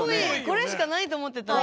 これしかないと思ってた。